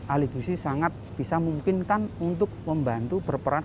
ahli gizi sangat bisa memungkinkan untuk membantu berperan